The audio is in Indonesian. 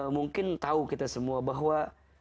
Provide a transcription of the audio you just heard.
mungkin tahu kita semua bahwa